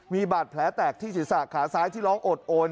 มีบาดแผลแตกที่ศีรษะขาซ้ายที่ร้องโอดโอน